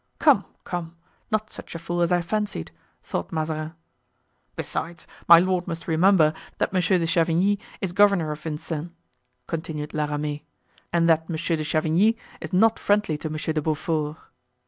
"Come, come; not such a fool as I fancied!" thought Mazarin. "Besides, my lord must remember that Monsieur de Chavigny is governor of Vincennes," continued La Ramee, "and that Monsieur de Chavigny is not friendly to Monsieur de Beaufort."